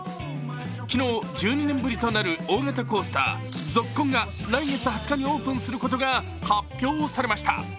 昨日、１２年ぶりとなる大型コースター、ＺＯＫＫＯＮが来月２０日にオープンすることが発表されました。